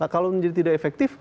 kalau menjadi tidak efektif